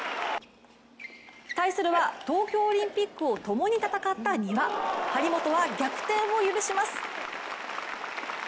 対するは東京オリンピックを共に戦った丹羽張本は逆転を許します。